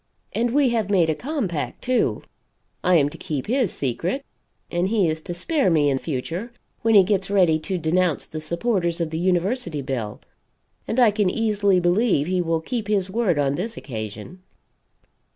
And we have made a compact, too. I am to keep his secret and he is to spare me, in future, when he gets ready to denounce the supporters of the University bill and I can easily believe he will keep his word on this occasion."